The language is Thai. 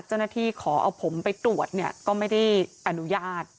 เจ้าหน้าที่ขอเอาผมไปตรวจเนี่ยก็ไม่ได้อนุญาต